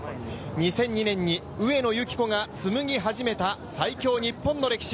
２００２年に上野由岐子がつむぎ始めた、最強日本の歴史。